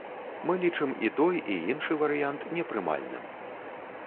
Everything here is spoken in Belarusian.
Мы лічым і той, і іншы варыянт непрымальным.